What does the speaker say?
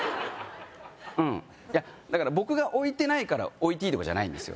うんいやだから僕が置いてないから置いていいとかじゃないんですよ